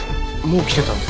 もう来てたの？